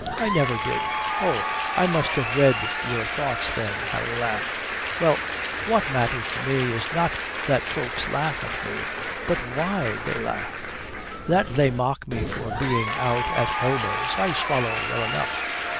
"I never did." "Oh, I must have read your thoughts then," Harry laughed. "Well, what matters to me is not that folks laugh at me but why they laugh. That they mock me for being out at elbows I swallow well enough.